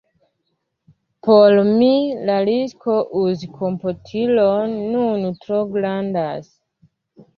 Por mi, la risko uzi komputilon nun tro grandas.